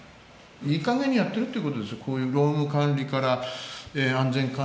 いい加減にやってるっていうことですよこういう労務管理から安全管理からね。